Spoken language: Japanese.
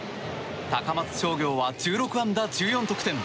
高松商業は１６安打１４得点。